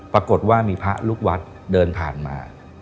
ปรากฏว่ามีพระลูกวัดเดินผ่านมา